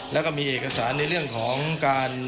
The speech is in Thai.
แล้วก็มีเอกสารในเรื่องของการ